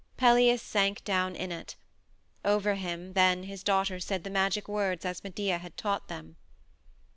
Pelias sank down in it. Over him then his daughters said the magic words as Medea had taught them.